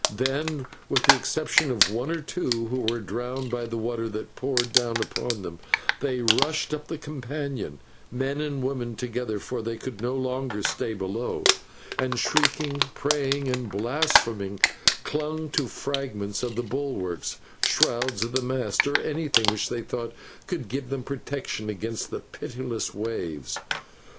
Then, with the exception of one or two, who were drowned by the water that poured down upon them, they rushed up the companion, men and women together, for they could no longer stay below, and, shrieking, praying, and blaspheming, clung to fragments of the bulwarks, shrouds of the mast, or anything which they thought could give them protection against the pitiless waves.